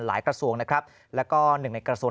กระทรวงนะครับแล้วก็หนึ่งในกระทรวง